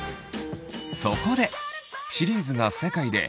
そこで！